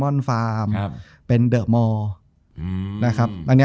จบการโรงแรมจบการโรงแรม